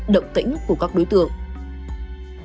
để giám sát chặt chẽ